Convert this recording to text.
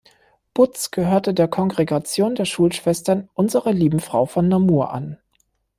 Butts gehörte der Kongregation der Schulschwestern Unserer Lieben Frau von Namur an.